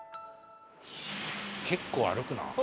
結構歩くなあ。